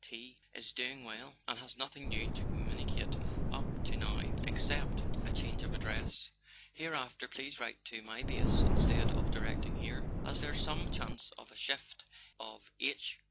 T. is doing well, and has nothing new to communicate up to now [ 196 ] A SON AT THE FRONT except a change of address. Hereafter please write to my Base instead of directing here, as there's some chance of a shift of H.